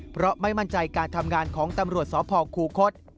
เพราะไม่มั่นใจการทำงานของตำรวจสพคูคศ